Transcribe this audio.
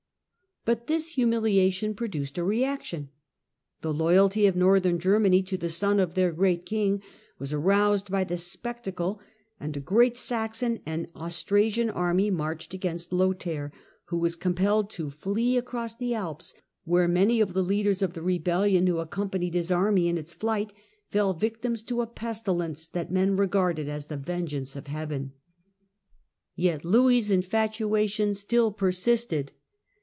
But this humiliation produced a reaction. The loyalty of Northern Germany to the son of their great king was aroused by the spectacle, and a great Saxon and Austrasian army marched against Lothair, who was compelled to flee across the Alps, where many of the leaders of the rebellion, who accompanied his army in its flight, fell victims to a pestilence that men regarded as the vengeance of heaven. Yet Louis' infatuation still persisted.